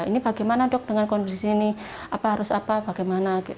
ini bagaimana dok dengan kondisi ini apa harus apa bagaimana